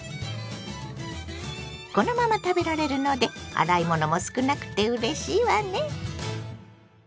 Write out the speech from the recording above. このまま食べられるので洗い物も少なくてうれしいわね。